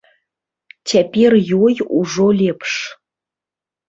Цяпер ёй ужо лепш.